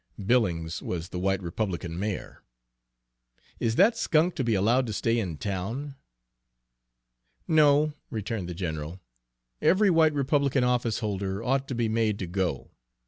Billings was the white Republican mayor. "Is that skunk to be allowed to stay in town?" "No," returned the general, "every white Republican office holder ought to be made to go.